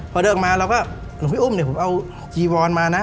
พอเดินมาเราก็หลวงพี่อุ้มเนี่ยผมเอาจีวอนมานะ